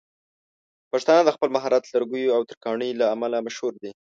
پښتانه د خپل مهارت لرګيو او ترکاڼۍ له امله مشهور دي.